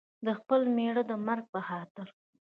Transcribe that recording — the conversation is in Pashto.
د خپل مېړه د مرګ په خاطر.